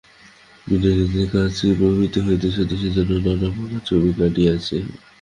বিনয় ইংরেজি কাগজ প্রভৃতি হইতে সতীশের জন্য নানাপ্রকার ছবি কাটিয়া রাখিত।